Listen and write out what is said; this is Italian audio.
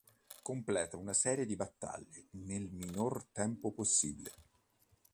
Completa una serie di battaglie nel minor tempo possibile.